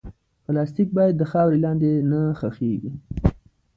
پلاستيک باید د خاورې لاندې نه ښخېږي.